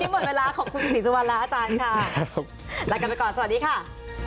โปรดติดตามตอนต่อไป